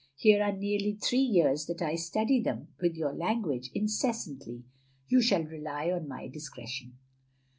Here are nearly three years that I study them, with your language, incessantly. You shall rely on my discretion.